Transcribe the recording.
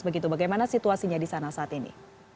begitu bagaimana situasinya di sana saat ini